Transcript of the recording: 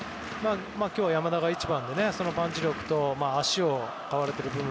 今日は山田が１番でそのパンチ力と足を買われている部分。